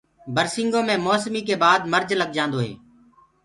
برسينگو مي مي موسمي ڪي بآد مرج لگجآندو هي۔